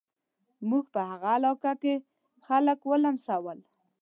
موږ په هغه علاقه کې خلک ولمسول.